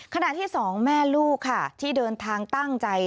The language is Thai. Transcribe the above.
ขณะที่สองแม่ลูกค่ะที่เดินทางตั้งใจ